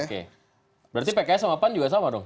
oke berarti pks sama pan juga sama dong